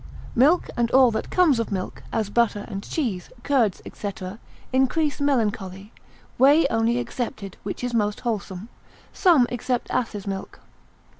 _] Milk, and all that comes of milk, as butter and cheese, curds, &c., increase melancholy (whey only excepted, which is most wholesome): some except asses' milk.